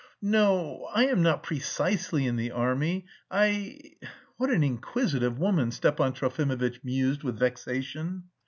"No, I am not precisely in the army, I..." "What an inquisitive woman!" Stepan Trofimovitch mused with vexation.